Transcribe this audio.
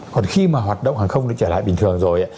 còn khi mà hoạt động hàng không nó trở lại bình thường rồi